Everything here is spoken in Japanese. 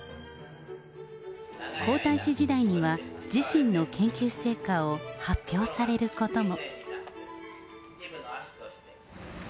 皇太子時代には、自身の研究成果を発表されることも。